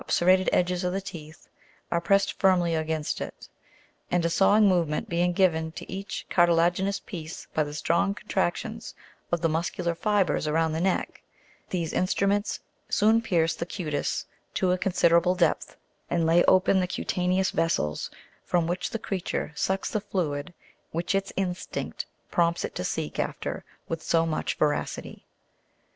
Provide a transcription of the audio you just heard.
serrated edges of the teeth are pressed firmly against it, TOOTH OF A LEECH. and, a sawing movement being given to each cartilagi nous piece by the strong contractions of the muscular fibres around the neck, these in struments soon pierce the cutis to a consider able depth, and lay open the cutaneous ves sels, from which the creature sucks the fluid which its instinct prompts it to seek after with so much voracity.